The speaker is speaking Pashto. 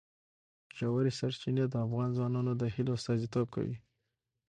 ژورې سرچینې د افغان ځوانانو د هیلو استازیتوب کوي.